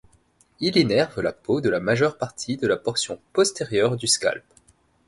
Il innerve la peau de la majeure partie de la portion postérieure du scalp.